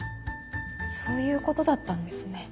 そういうことだったんですね。